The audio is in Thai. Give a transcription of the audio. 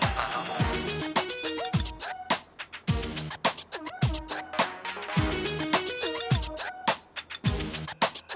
ชื่อแม่ค่ะ